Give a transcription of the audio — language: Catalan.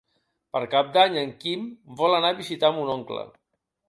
Per Cap d'Any en Quim vol anar a visitar mon oncle.